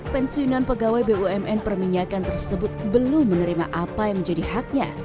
pensiunan pegawai bumn perminyakan tersebut belum menerima apa yang menjadi haknya